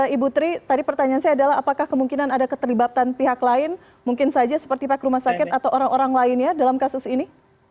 ibu tri tadi pertanyaan saya adalah apakah kemungkinan ada keterlibatan pihak lain mungkin saja seperti pak rumah sakit atau orang orang lainnya dalam kasus ini